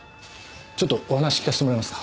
ちょっとお話聞かせてもらえますか？